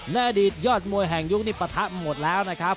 ในอดีตยอดมวยแห่งยุคนี้ปะทะหมดแล้วนะครับ